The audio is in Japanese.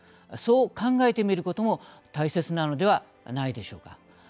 そう考えてみることも大切なのではないでしょうか。